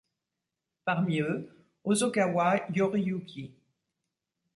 Parmi eux, Hosokawa Yoriyuki.